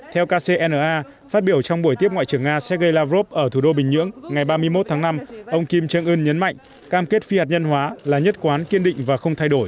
theo kcna phát biểu trong buổi tiếp ngoại trưởng nga sergei lavrov ở thủ đô bình nhưỡng ngày ba mươi một tháng năm ông kim jong un nhấn mạnh cam kết phi hạt nhân hóa là nhất quán kiên định và không thay đổi